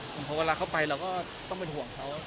เพราะเวลาเข้าไปเราก็ต้องเป็นห่วงเขา